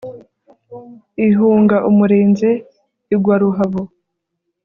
ihunga umurinzi igwa ruhabo